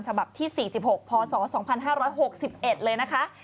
ฉบับที่๔๖พศ๒๕๖๑เลยนะคะ